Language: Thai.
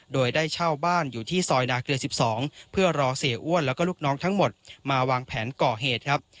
โดยได้เช่าบ้านอยู่ที่ซอยนาเกลือ๑๒เพื่อรอเสียอ้วนแล้วก็ลูกน้องทั้งหมดมาวางแผนก่อเหตุครับ